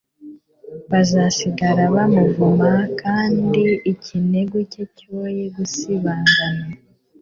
bazasigara bamuvuma kandi ikinegu cye cyoye gusibangana